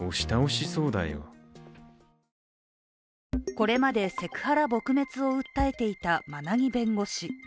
これまでセクハラ撲滅を訴えていた馬奈木弁護士。